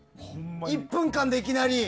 １分間で、いきなり。